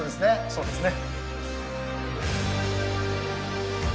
そうですね。